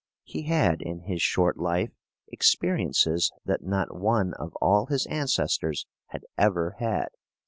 He had had, in his short life, experiences that not one of all his ancestors had ever had.